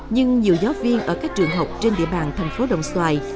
nhưng nhiều giáo viên ở các trường học trên địa bàn thành phố đồng xoài